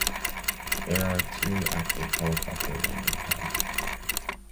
There are two active helicopter landing pads.